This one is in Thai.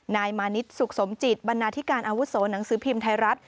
นายมานิดสุขสมจิตบรรณาธิการอาวุโสหนังสือพิมพ์ไทยรัฐ